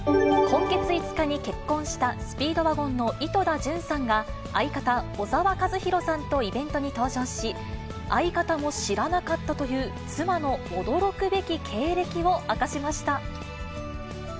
今月５日に結婚したスピードワゴンの井戸田潤さんが、相方、小沢一敬さんとイベントに登場し、相方も知らなかったという妻の驚くべき経歴を明かしました。